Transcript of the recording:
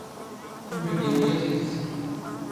ⵓⵔ ⵉⴳⵉ ⵓⵢⴰ ⵜⵉⴷⵜ.